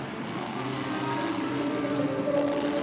もこもこもこ。